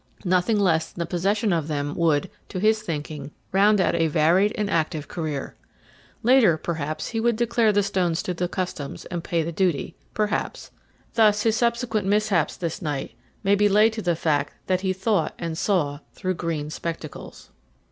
Nothing less than the possession of them would, to his thinking, round out a varied and active career. Later, perhaps, he would declare the stones to the customs and pay the duty; perhaps. Thus his subsequent mishaps this night may be laid to the fact that he thought and saw through green spectacles.